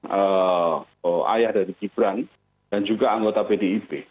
terlepas bahwa jokowi misalnya ayah dari kibrang dan juga anggota bdip